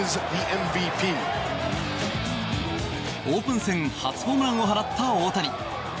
オープン戦初ホームランを放った大谷。